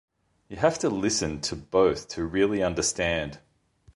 You have to listen to both to really understand.